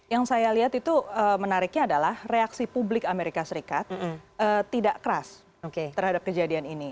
yang saya lihat itu menariknya adalah reaksi publik amerika serikat tidak keras terhadap kejadian ini